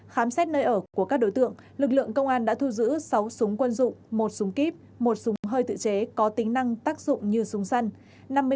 khám xét nơi ở của các đối tượng lực lượng công an đã thu giữ sáu súng quân dụng một súng kíp một súng hơi tự chế có tính năng tác dụng như súng săn